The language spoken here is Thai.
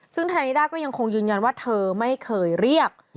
ซึ่งธนายนิด้าก็ยังคงยืนยันว่าเธอไม่เคยเรียก